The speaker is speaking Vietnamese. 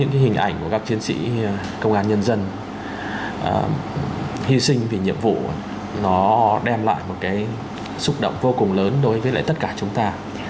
những hình ảnh của các chiến sĩ công an nhân dân hy sinh vì nhiệm vụ nó đem lại một cái xúc động vô cùng lớn đối với lại tất cả chúng ta